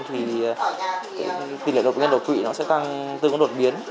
thì lượng bệnh nhân độc quỷ sẽ tăng từng đột biến